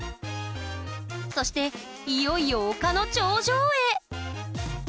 そしていよいよ丘の頂上へ！